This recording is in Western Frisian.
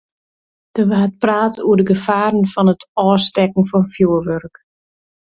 Der waard praat oer de gefaren fan it ôfstekken fan fjoerwurk.